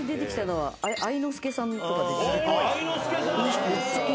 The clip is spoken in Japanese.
はい。